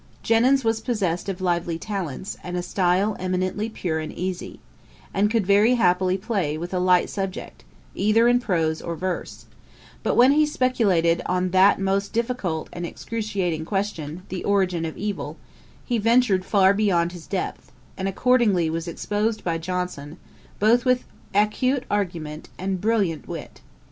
Jenyns was possessed of lively talents, and a style eminently pure and easy, and could very happily play with a light subject, either in prose or verse; but when he speculated on that most difficult and excruciating question, the Origin of Evil, he ventured far beyond his depth, and, accordingly, was exposed by Johnson, both with acute argument and brilliant wit.